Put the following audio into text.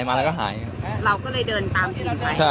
เราก็เดินตามมา